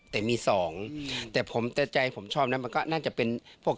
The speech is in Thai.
แต่มี๒แต่ใจผมชอบมันก็น่าจะเป็น